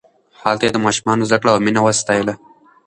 هلته یې د ماشومانو زدکړه او مینه وستایله.